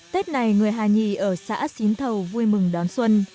tết này người hà nhì ở xã xín thầu vui mừng đón xuân